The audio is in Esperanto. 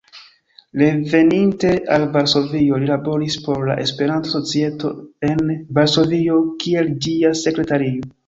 Reveninte al Varsovio, li laboris por la Esperanto-Societo en Varsovio kiel ĝia sekretario.